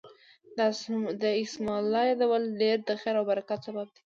د اسماء الله يادول ډير د خير او برکت سبب دی